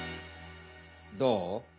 どう？